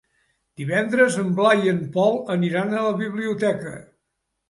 Divendres en Blai i en Pol aniran a la biblioteca.